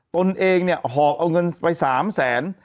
ตนเองเนี่ยหอบเอาเงินไป๓แสน